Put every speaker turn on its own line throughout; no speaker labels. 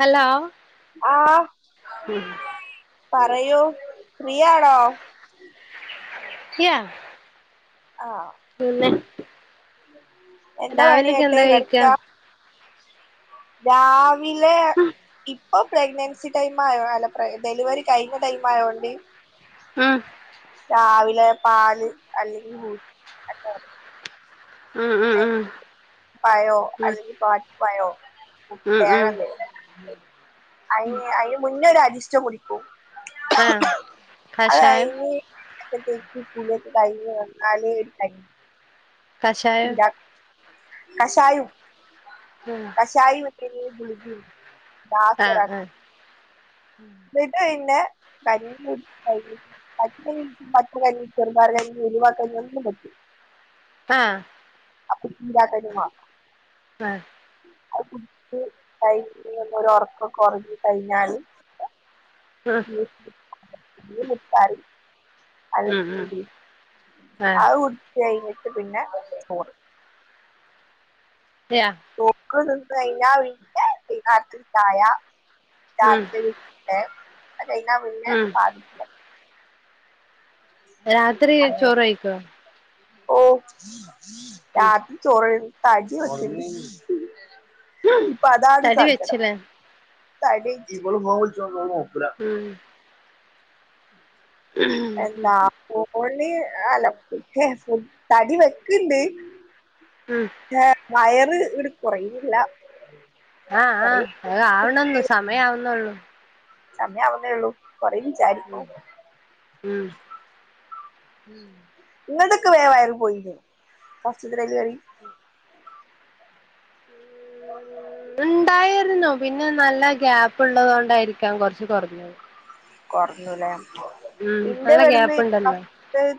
Hello
ആഹ് പറയൂ ഫ്രീയാണോ
ഫ്രീയാ
ആഹ്
പിന്നെ
എന്താ പണി
രാവിലെക്കെ
കേട്ട്
എന്താ കഴിക്കാ
കെടക്കാ രാവിലെ
ഉം
ഇപ്പൊ പ്രഗ്നൻസി ടൈമായോ അല്ല ഡെലിവറി കഴിഞ്ഞ ടൈം ആയോണ്ട്
ആഹ്
രാവിലെ പാല് അല്ലെങ്കിൽ മു
ഉം
ട്ടേ
ഉം
പഴോ
ഉം
അല്ലെങ്കിൽ വാട്ടിയ പഴോ
ഉം ഉം
കുട്ട്യേളല്ലേ
ഉം
അയ് അയിന് മുന്നേ ഒരു അരിഷ്ടം കുടി ക്കും
ഉം ആഹ്
അത്
കഷായം
കഴിഞ്ഞ് [unintelligible] കഴിഞ്ഞ് വന്നാലേ കഴി
കഷായോ
കഷായും
ഉം
കഷായു വന്നേനെ ഗുൾകിം
ആഹ് ആഹ്
ഇന്ന്ട്ടാ പിന്നേ കഞ്ഞി കുടിക്കല് [unintelligible] [unintelligible] ചെറുപയർ കഞ്ഞി ഉലുവ കഞ്ഞി എന്തും പറ്റും
ആഹ്
അപ്പൊ ചീരാകഞ്ഞി വാണം
ആഹ്
അത് കുടിച്ച് കഴിഞ്ഞ് ഒരു ഒറക്കൊക്കെ ഒറങ്ങി കഴിഞ്ഞാല്
ആഹ്
[unintelligible] മുത്താറി
ഉം ഉം ഉം
അല്ലെങ്കിൽ [unintelligible]
ആഹ്
അത് കുടിച്ച് കഴിഞ്ഞിട്ട് പിന്നെ ചോറ്
അതെയോ
നോക്ക് തിന്ന് കഴിഞ്ഞാ പിന്നെ വൈന്നാരത്തിന് ചായ
ഉം
രാത്രി ന്നെ അത് കഴിഞ്ഞ പിന്നെ
ഉം
[unintelligible]
രാത്രി ചോറ് കഴിക്കോ
ഓഹ് രാത്രി ചോറ് ഒഴിവ തടി വെക്ക്ണ്ട്. ഇപ്പ അതാണ്
തടി
സങ്കടം
വെച്ചില്ലേ
തടിച്ച്
ഉം.
എന്താ ഫോണ് അല്ലെ ഫുഡ് തടി വെക്ക്ണ്ട്.
ഉം.
ക്ഷെ വയറ് ഇങ്ങ്ട്ട് കൊറയിണില്ല.
ആഹ് ആഹ് അത് ആവണന്നു സമയാവുന്നൊള്ളു.
സമയാവുന്നേ ഒള്ളൂ കൊറേ വിചാരിക്കും
ഉം ഉം.
ഇങ്ങൾതൊക്കെ വേം വയറ് പോയിനോ ഫസ്റ്റ്ത്തെ ഡെലിവറി. [inaudible]
ണ്ടായിരുന്നു പിന്നെ നല്ല ഗ്യാപ്പ്ള്ളതോണ്ടായിരിക്കാം കൊറച്ച് കൊറഞ്ഞത്.
കൊറഞ്ഞൂലേ
ഉം
ഇന്റെ
നല്ല
വരുന്ന്
ഗ്യാപ്പ് ഉണ്ടല്ലോ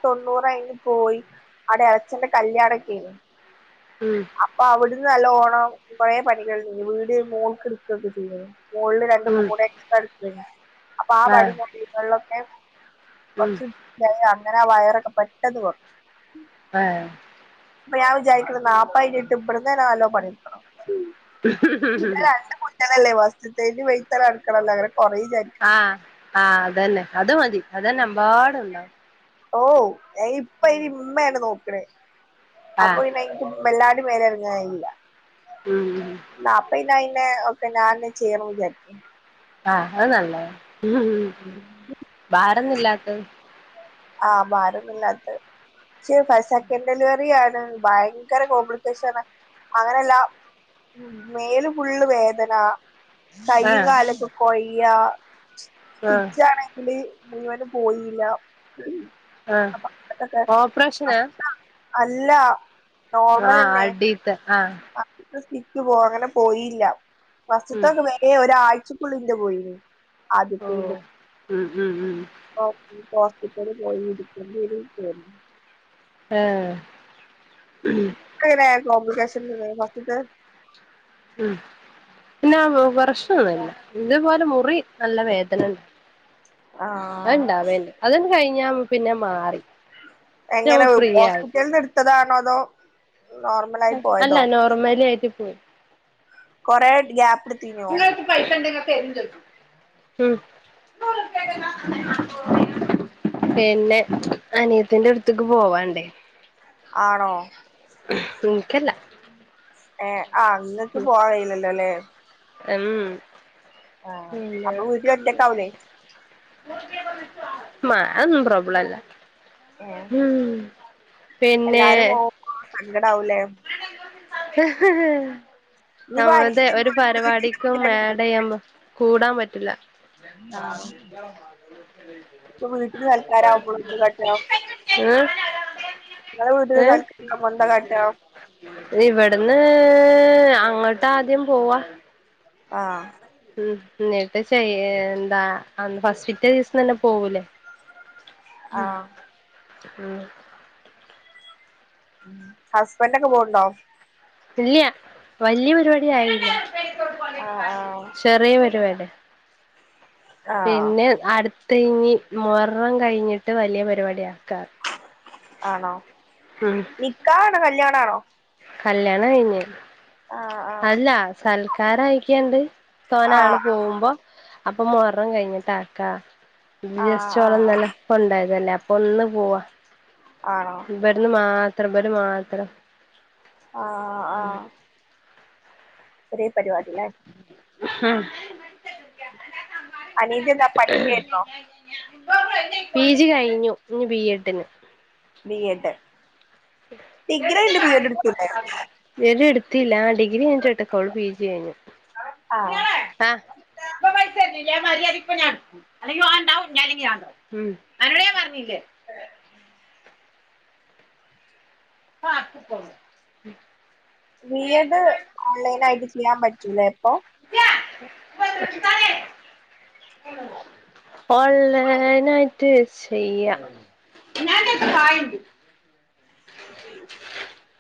തൊണ്ണൂറ് കയിഞ്ഞ് പോയി അവിടെ എളെച്ചന്റെ കല്ല്യാണൊക്കേ ആയിനി
ഉം
അപ്പൊ അവിടുന്ന് നല്ലോണം കൊറേ പണികള് ഉണ്ടേനി വീട് മോൾക്കെടുക്കുവോക്കെ ചെയ്യേനി. മോളില് രണ്ട്
ഉം
റൂമൂടെ എക്സ്ട്രാ എടുത്തേ അപ്പൊ ആ
ആഹ്
പണീം കാര്യങ്ങളിലൊക്കെ
ഉം
കൊറച്ച് ഇതായെ അങ്ങനെ ആ വയറൊക്കെ പെട്ടന്ന് കൊറഞ്ഞു.
ഏ
ഇപ്പോ ഞാൻ വിചാരിക്കണ് [unintelligible] നല്ലോണം പണിയെടുക്കണം. പിന്നെ രണ്ട് കുട്ടികളല്ലേ ഫസ്റ്റിത്തേന്റെ വഴയിൽ തന്നെ നടക്കണല്ലോ അങ്ങനെ കൊറയും വിചാരിക്കും.
ആഹ് ആഹ് അതന്നെ അത് മതി അതന്നെ എമ്പാടുണ്ടാവും.
ഓഹ് ഇപ്പ ഇനി ഉമ്മയാണ് നോക്കണത് അപ്പൊ
ആഹ്
പിന്നെ അയിന്റെ വല്ലാതെ മേലനങ്ങാൻ കയില്ല
ഉം
[unintelligible] ഒക്കെ ഞാൻ തന്നെ ചെയ്യണോന്ന് വിചാരിക്കുന്നു
ആഹ് അത് നന്നായി ഭാരൊന്നുല്ലാത്തത്.
ആഹ് ഭാരൊന്നുല്ലാത്തത്. എനിക്ക് പ സെക്കൻഡ്‌ ഡെലിവറിയാണ് ഭയങ്കര കോംപ്ലിക്കേഷനാ അങ്ങനല്ല മേല് ഫുള്ള് വേദന കയ്യും
ആഹ്
കാലൊക്കെ കൊയയുക
ആഹ്
സ്റ്റിച്ചാണെ ങ്കില് മുഴുവനും പോയില്ലാ
ആഹ് ഓപ്പറേഷനാ
അല്ല
ആഹ് അടി തെ ആഹ്.
ഫസ്റ്റിത്തെ സ്റ്റിച്ച് പോക പോയില്ല
ഉം
ഫസ്റ്റിത്തെ വേ ദന ഒരാഴ്ച ഫുള്ള് എന്റെ പോയിന് ആദ്യത്തേന്റെ
ഓഹ് ഉം ഉം ഉം
ഹോസ്പിറ്റലി പോയി ഇരിക്കണ്ടി വരും പേടിയാ
ആഹ്
ഇക്കെങ്ങനെ കോബ്ലിക്കേഷനൊന്നുമില്ലേനൊ ഫസ്റ്റിത്തെ
ഉം പിന്നെ കുറച്ചേ ഉള്ളായിന് എന്റെ പോലെ മുറി നല്ല വേദനയുണ്ട്
ആഹ്
അതുണ്ടാവേണ്ട് അതങ്ങട്ട് കഴിഞ്ഞാ പിന്നെ മാറി. പിന്നെ
എങ്ങനെ
നമ്മ ഫ്രീ ആയി
ഹോസ്പിറ്റലീന്ന് എടുത്തതാണോ അതോ. നോർമലായി
അല്ല
പോയതോ
നോർമലി ആയിട്ട് പോയി.
കുറെ ഗ്യാപ്പെടു
ഇങ്ങക്ക് പൈസ ഉണ്ടെങ്കി ഇങ്ങക്ക് എന്തും കിട്ടും ഉം [unintelligible] പിന്നെ അനിയത്തീന്റെ അടുത്തേക്ക് പോവാനുണ്ടേ
ആണോ
എനിക്കല്ല
ഏ ആഹ് ഇങ്ങക്ക് പോവാകയില്ലല്ലൊലേ
ഉം
ആഹ്
പിന്നെ
അപ്പൊ വീട്ടില് ഒറ്റക്കാവൂലേ
മാ അതൊന്നും പ്രോബ്ലമല്ല
ഏഹ്
ഉം പിന്നെ
എല്ലാരും പോവുമ്പോ സങ്കടാവൂലേ
ഹ്, ഹ്.
ഇനിയിപ്പോ
അങ്ങനത്തെ ഒരു
അനിയത്തിക്ക്
പരിപാടിക്കും
വീട്ടില്
മേഡയെന്ന് കൂടാൻ പറ്റില്ല
ആഹ് ഇപ്പൊ വീട്ടില് സൽക്കാരാവുമ്പള് എന്ത് കാട്ടാ
[unintelligible] ഏ
ഇങ്ങളെ വീട്ടില് [unintelligible] കൊണ്ടെ നട്ടോ
ഇവിടെന്ന് അങ്ങോട്ട് ആദ്യം പോവാം
ആഹ്
ഉം ന്നിട്ട് ശെയ് എന്താ അന്ന് ഫസ്റ്റ്ത്തെ ദിവസന്നെ പോവൂലേ ഉം
ആഹ്
ഉം
ഉം ഹസ്ബൻ്റൊക്കെ പോവ്ണ്ടോ
ഇല്ല്യാ വല്യേപരിപാടി ആയില്ല
ആഹ് ആഹ്
ചെറിയേ പരിപാടിയ
ആഹ്
പിന്നെ അടുത്ത് ഇനി മൊഹറം കഴിഞ്ഞിട്ട് വല്ലൃ പരിപാടി ആക്കാ
ആണോ നിക്കാഹാണോ കല്യാണാണോ
കല്യാണം കഴിഞ്ഞു
ആഹ് ആഹ്
അല്ലാ സൽക്കാരയിക്കാണ്ട് തോനെ
ആഹ്
ആള് പോകുമ്പോ അപ്പൊ മൊഹറം കഴിഞ്ഞിട്ടാക്കാ ജസ്റ്റ്
ആഹ് ആഹ്
ഒളന്നലെ പ്പണ്ടായതല്ലെ അപ്പൊന്ന് പോവാ
ആണോ?
ഇവട്ത് മാത്രം ഇവര് മാത്രം
ആഹ്
ഉം
ആഹ് ചെറിയ പരിപാടിലേ
[unintelligible]
അനിയത്തി എന്താ പഠിക്കായിരുന്നോ
പി ജി കഴിഞ്ഞു ഞ്ഞ് ബിഎഡിന്
ബി എഡ്
[unintelligible]
ഡിഗ്രി കഴിഞ്ഞിട്ട് എഡ് എടുത്തൂടെ
ബി യെഡ് എട്ത്തില്ലാ ഡിഗ്രി [unintelligible] പിജി കഴിഞ്ഞ്
ആഹ്
ആഹ് [unintelligible] അല്ലെങ്കില് വാണ്ട ല്ലെങ്കിഞാണ്ടാവും ഉം അങ്ങനെ ഞാപറഞ്ഞില്ലേ [unintelligible]
ബി എഡ് ഓൺലൈനായിട്ട് ചെയ്യാൻ പറ്റൂലെ പ്പൊ
[unintelligible] ഓൾലൈനായിട്ട് ചെയ്യാ [unintelligible]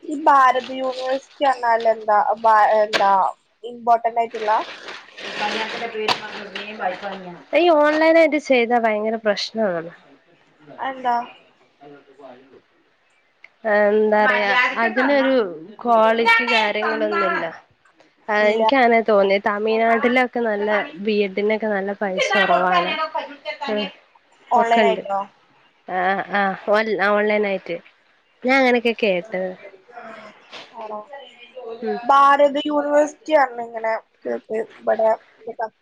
ഞ്ഞിപ്പാരട് യൂണിവേഴ്സിറ്റി അർഞ്ഞാലെന്താ എന്താ എന്താ ഇമ്പോട്ടന്റായിട്ട്ള്ളാ
ഈ ഓൺലൈനായിട്ട് ചെയ്താ ഭയങ്കര പ്രശ്നാ
അതെന്താ?
[inaudible] ങ് എന്താ പറയാ അതിനൊരു ക്വാളിറ്റി കാര്യങ്ങളൊന്നുല്ല ആഹ്
ഇല്ല
ഇൻക്ക് അങ്ങനെ തോന്നി തമിഴ്നാട്ടിലൊക്കെ നല്ല ബി എഡിനൊക്കെ നല്ല പൈസ കൊറവാണ്
ഉ
പെക്കെണ്ട് ആഹ് ആഹ് ഓ ഓൺലൈനയിട്ട് ഞാൻ അങ്ങനെക്കെ കേട്ടത്
ആണോ
ഉം
ഭർത് യൂണവർസ് റ്റി അർഞ്ഞിങ്ങനെ കേട്ട് ബടെ
[unintelligible] [unintelligible]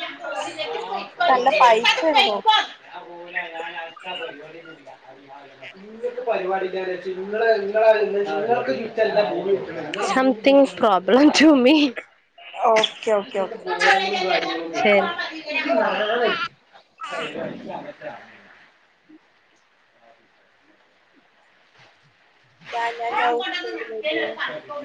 ഞാ പോല
നല്ല പൈസയാണ് തോന്നുന്നു
ഞാൻ അട്ത്ത [unintelligible] [unintelligible] something problem to me
okay okay okay
[unintelligible] ശരി
ഓക്കെ
[unintelligible] [unintelligible] കൊണ്ടൊന്നും
[unintelligible]
ഞാൻ